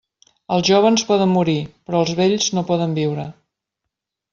Els jóvens poden morir, però els vells no poden viure.